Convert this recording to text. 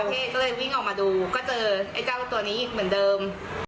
พี่ก็เลยวิ่งออกมาดูก็เจอไอ้เจ้าตัวนี้เหมือนเดิม